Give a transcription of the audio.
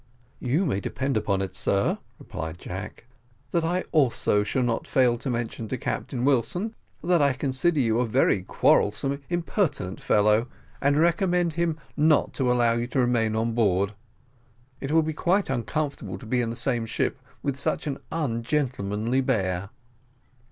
"You may depend upon it, sir," replied Jack, "that I also shall not fail to mention to Captain Wilson that I consider you a very quarrelsome, impertinent fellow, and recommend him not to allow you to remain on board. It will be quite uncomfortable to be in the same ship with such an ungentlemanly bear."